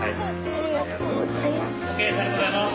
ありがとうございます。